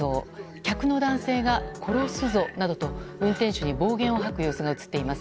客の男性が殺すぞなどと運転手に暴言を吐く様子が映っています。